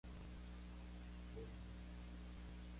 Fue diputado federal por el estado de São Paulo por seis mandatos.